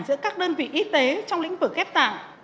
giữa các đơn vị y tế trong lĩnh vực ghép tạng